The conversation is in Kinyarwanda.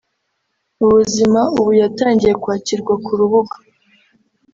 ubuzima) ubu yatangiye kwakirwa ku rubuga